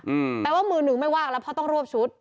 แปลว่ามือหนึ่งไม่ว่างแล้วเพราะต้องรวบชุด